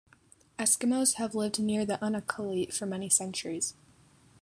Eskimos have lived near the Unalakleet for many centuries.